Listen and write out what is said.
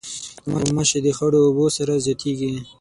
غوماشې د خړو اوبو سره زیاتیږي.